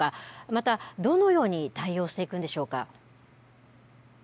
また、どのように対応していくんでしょうか。